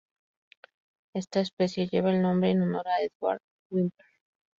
Esta especie lleva el nombre en honor a Edward Whymper.